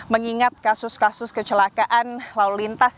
mengingat kasus kasus kecelakaan lalu lintas